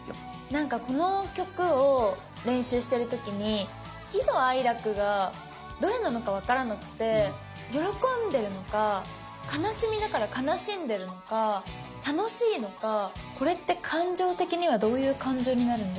なんかこの曲を練習してる時に喜怒哀楽がどれなのか分からなくて喜んでるのか悲しみだから悲しんでるのか楽しいのかこれって感情的にはどういう感情になるんですかね？